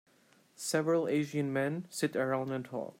Several asian men sit around and talk.